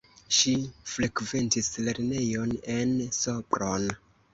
Ŝi frekventis lernejon en Sopron.